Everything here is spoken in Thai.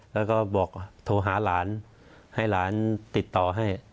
แล้วก็บอกโทรหาหลานให้หลานติดต่อให้